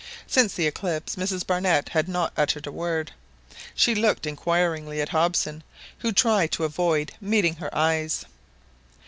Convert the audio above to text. Since the eclipse Mrs Barnett had not uttered a word. She looked inquiringly at Hobson, who tried to avoid meeting her eyes.